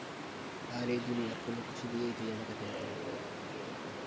আর এই দুনিয়ার কোনো কিছু দিয়েই তুই আমাকে থামাতে পারবি না।